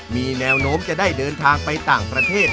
มีแนวโน้มจะได้เดินทางไปต่างประเทศ